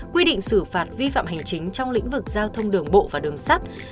quy định xử phạt vi phạm hành chính trong lĩnh vực giao thông đường bộ và đường sắt